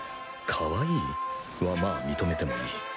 かわいいはまあ認めてもいい。